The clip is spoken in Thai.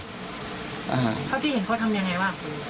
เท่าที่เห็นเขาทำยังไงบ้าง